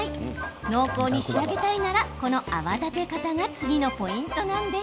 濃厚に仕上げたいならこの泡立て方が次のポイントなんです。